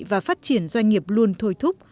và phát triển doanh nghiệp luôn thôi thúc